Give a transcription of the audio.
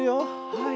はい。